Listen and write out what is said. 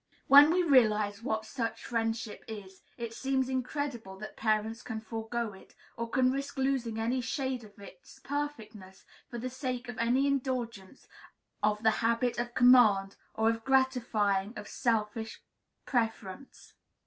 When we realize what such friendship is, it seems incredible that parents can forego it, or can risk losing any shade of its perfectness, for the sake of any indulgence of the habit of command or of gratifying of selfish preference.